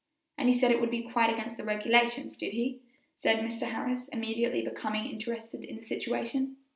"And he said it would be quite against the regulations, did he?" said Mr. Harris, immediately becoming interested in the situation.